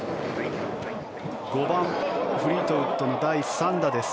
５番、フリートウッドの第３打です。